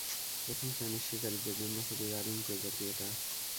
প্রথম শ্রেনীর শিকারীদের জন্য খুবই দারুণ প্রজাতি এটা।